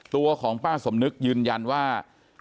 ตัวของป้าสมนึกยืนยันว่า